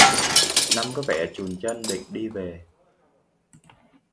Năm có vẻ chùn chân định đi về